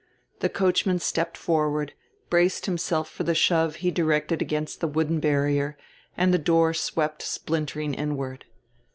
The coachman stepped forward, braced himself for the shove he directed against the wooden barrier, and the door swept splintering inward.